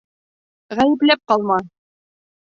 Ғәйепләп ҡалма.